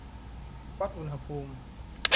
วัดอุณหภูมิ